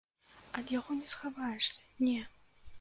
Ад яго не схаваешся, не!